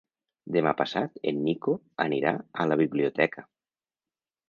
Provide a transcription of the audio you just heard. Demà passat en Nico anirà a la biblioteca.